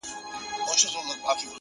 • مګر سوځي یو د بل کلي کورونه,